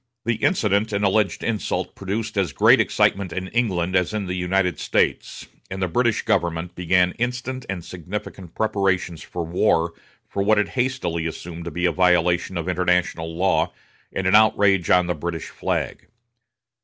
The incident and alleged insult produced as great excitement in England as in the United States, and the British government began instant and significant preparations for war for what it hastily assumed to be a violation of international law and an outrage on the British flag.